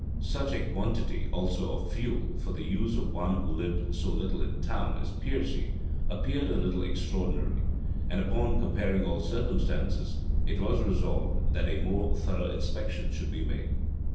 [*] Such a quantity also of fuel, for the use of one who lived so little in town as Piercy, appeared a little extraordinary;[] and upon comparing all circumstances, it was resolved that a more thorough inspection should be made.